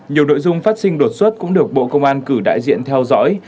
nhiều nội dung phát sinh đột xuất cũng được bộ công an cử đại diện theo dõi